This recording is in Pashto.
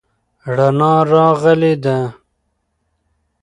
رڼا راغلې ده.